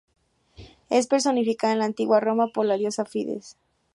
Es personificada en la Antigua Roma por la diosa Fides.